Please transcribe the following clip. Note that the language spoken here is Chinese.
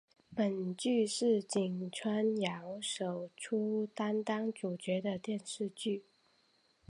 本剧是井川遥首出担当主角的电视剧。